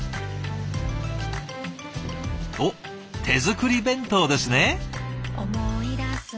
おっ手作り弁当ですね。